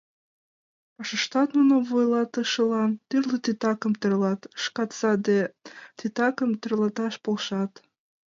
Пашаштат нуно вуйлатышыла тӱрлӧ титакым тӧрлат, шкат саде титакым тӧрлаташ полшат.